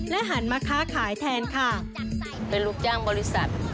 หันมาค้าขายแทนค่ะเป็นลูกจ้างบริษัท